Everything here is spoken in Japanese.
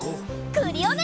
クリオネ！